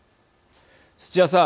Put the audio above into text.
土屋さん。